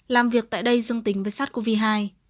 làm việc tại đây dương tình với sát covid một mươi chín